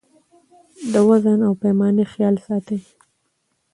د وزن او پیمانې خیال ساتئ.